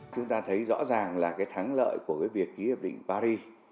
chúng ta thấy rõ ràng là cái thắng lợi của cái việc ký hiệp định paris